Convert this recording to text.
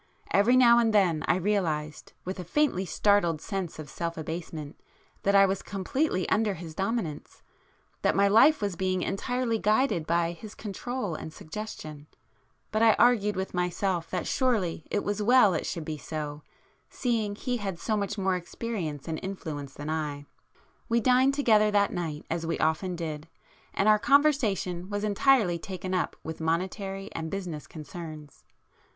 Every now and then I realized, with a faintly startled sense of self abasement, that I was completely under his dominance,—that my life was being entirely guided by his control and suggestion,—but I argued with myself that surely it was well it should be so, seeing he had so much more experience and influence than I. We dined together that night as we often did, and our conversation was entirely taken up with monetary and business concerns.